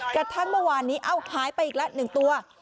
กระทั่งเมื่อวานนี้เอ้าหายไปอีกละ๑ตัว